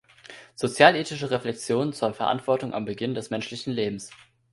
Sozialethische Reflexionen zur Verantwortung am Beginn des menschlichen Lebens“.